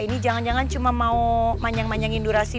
ini jangan jangan cuma mau manjang manjangin durasi